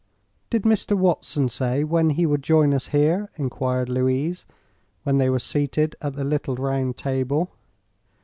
"Did Mr. Watson say when he would join us here?" enquired Louise, when they were seated at the little round table.